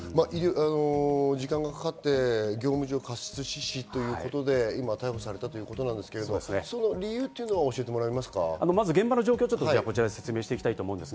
時間がかかって、業務上過失致死ということで今、逮捕されたということですけど、理由というのを教えて現場の状況を説明していきたいと思います。